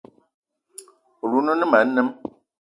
Oloun o ne ma anem.